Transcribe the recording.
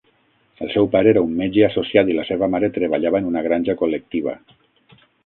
El seu pare era un metge associat i la seva mare treballava en una granja col·lectiva.